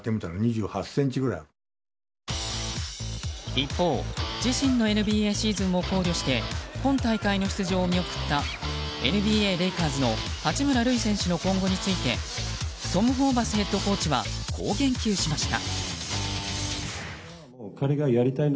一方、自身のＮＢＡシーズンも考慮して今大会の出場を見送ったＮＢＡレイカーズの八村塁選手の今後についてトム・ホーバスヘッドコーチはこう言及しました。